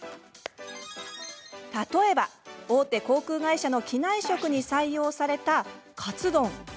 例えば、大手航空会社の機内食に採用された、かつ丼。